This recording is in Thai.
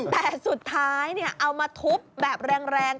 แต่สุดท้ายเอามาทุบแบบแรง